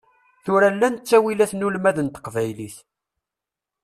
Tura llan ttawilat n ulmad n teqbaylit.